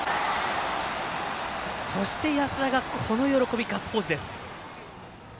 そして、安田が喜びガッツポーズです。